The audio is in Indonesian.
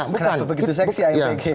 kenapa begitu seksi ampg